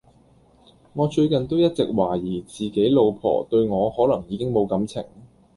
我最近都一直懷疑其實自己老婆對我可能已經無感情